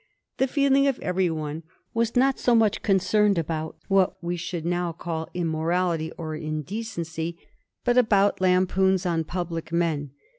The feeling of every one was not so much concerned about what we should now call im Inorality or indecency, but about lampoons on public men.